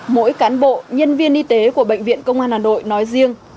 mỗi cán bộ nhân viên y tế của bệnh viện công an hà nội nói riêng